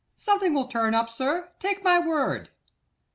Something will turn up, sir, take my word.